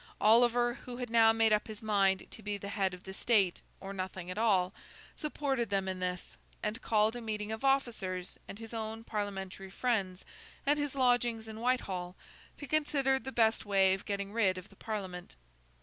Oliver, who had now made up his mind to be the head of the state, or nothing at all, supported them in this, and called a meeting of officers and his own Parliamentary friends, at his lodgings in Whitehall, to consider the best way of getting rid of the Parliament.